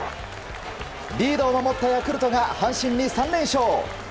リードを守ったヤクルトが阪神に３連勝。